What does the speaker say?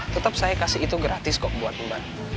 tetap saya kasih itu gratis kok buat mbak